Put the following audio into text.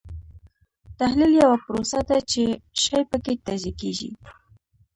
تحلیل یوه پروسه ده چې شی پکې تجزیه کیږي.